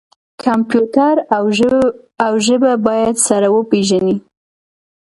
کمپیوټر او ژبه باید سره وپیژني.